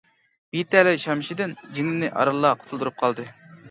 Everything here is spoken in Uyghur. بىتەلەي شەمشىدىن جېنىنى ئارانلا قۇتۇلدۇرۇپ قالدى.